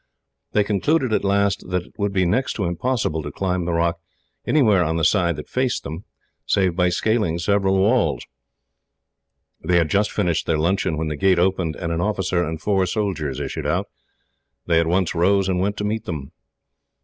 They concluded, at last, that it would be next to impossible to climb the rock anywhere on the side that faced them, save by scaling several walls. They had just finished their luncheon when the gate opened, and an officer and four soldiers issued out. They at once rose, and went to meet them.